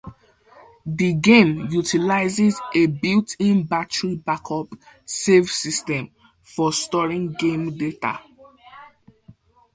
The game utilizes a built-in battery backup save system for storing game data.